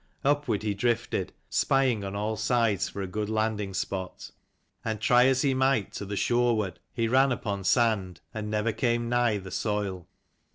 Upward he drifted, spying on all sides for a good landing spot; and try 2 as he might to the shoreward, he ran upon sand, and never came nigh the soil.